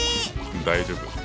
大丈夫。